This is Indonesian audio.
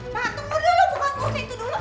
pak tunggu dulu buka kursi itu dulu